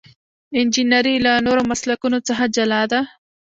انجنیری له نورو مسلکونو څخه جلا ده.